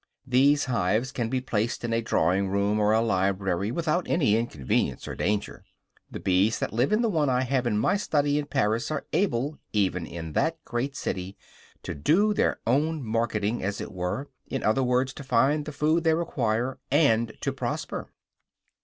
These hives can be placed in a drawing room or a library without any inconvenience or danger. The bees that live in the one I have in my study in Paris are able even in that great city to do their own marketing, as it were in other words, to find the food they require and to prosper.